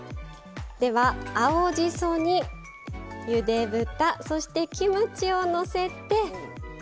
では青じそにゆで豚そしてキムチをのせて。